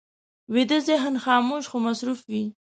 ویده ذهن خاموش خو مصروف وي